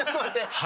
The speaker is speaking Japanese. はい。